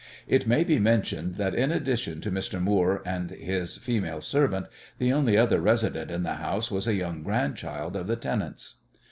It may be mentioned that in addition to Mr. Moore and his female servant the only other resident in the house was a young grandchild of the tenant's.